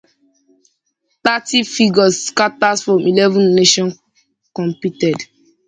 Thirty figure skaters from eleven nations competed.